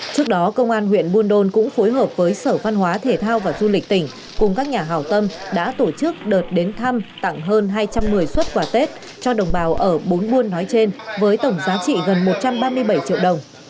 trước đó công an huyện buôn đôn cũng phối hợp với sở văn hóa thể thao và du lịch tỉnh cùng các nhà hào tâm đã tổ chức đợt đến thăm tặng hơn hai trăm một mươi xuất quà tết cho đồng bào ở bốn buôn nói trên với tổng giá trị gần một trăm ba mươi bảy triệu đồng